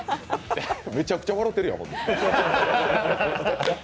めちゃくちゃ笑ってるやん。